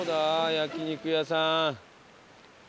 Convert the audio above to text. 焼肉屋さん。